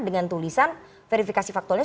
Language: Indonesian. dengan tulisan verifikasi faktualnya